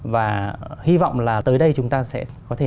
và hy vọng là tới đây chúng ta sẽ có thể